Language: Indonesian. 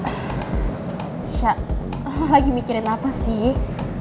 sha lo lagi mikirin apa sih